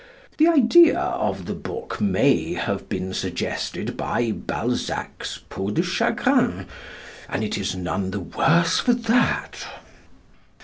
The idea of the book may have been suggested by Balzac's "Peau de Chagrin," and it is none the worse for that.